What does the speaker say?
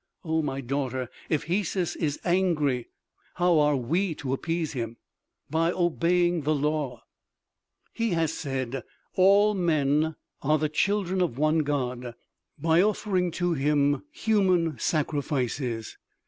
"Oh, my daughter, if Hesus is angry, how are we to appease him?" "By obeying the law. He has said all men are the children of one God. By offering to him human sacrifices....